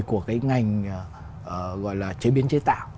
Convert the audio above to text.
của cái ngành gọi là chế biến chế tạo